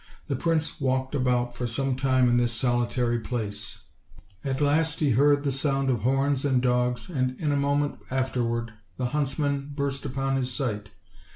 The prince walked about for some time in this solitary place; at last he heard the sound of horns and dogs, and in a moment afterward the huntsmen burst upon his sight* OLD, OLD I :itY TALES.